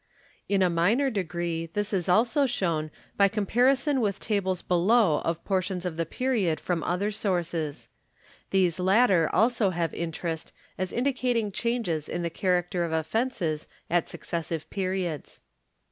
In a minor degree this is also shown by comparison with tables below of portions of the period from other sources. These latter also have interest as indi cating changes in the character of offences at successive periods.